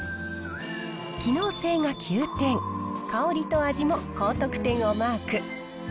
機能性が９点、香りと味も高得点をマーク。